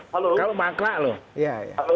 kalau mangkrak loh